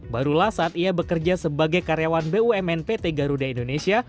barulah saat ia bekerja sebagai karyawan bumnpt garuda indonesia